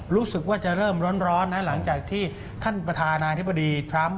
รู้สึกว่าจะเริ่มร้อนนะหลังจากที่ท่านประธานาธิบดีทรัมป